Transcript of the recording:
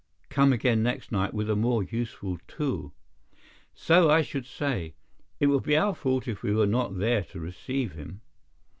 "Come again next night with a more useful tool." "So I should say. It will be our fault if we are not there to receive him.